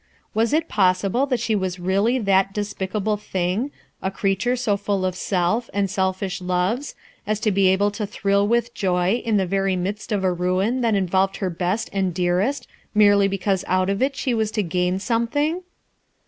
Was it possible that she was really that des picable thing, a creature go full of self, and selfish loves, as to be able to tlirill with joy, in the very midst of a ruin that involved her best and dear est, merely because out of it she was to gain something